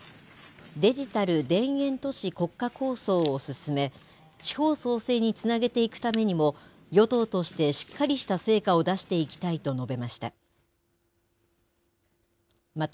デジタル田園都市国家構想を進め、地方創生につなげていくためにも、与党としてしっかりした成果を出していきたいと述べました。